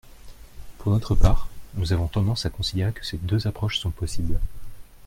Pour notre part, nous avons tendance à considérer que ces deux approches sont possibles.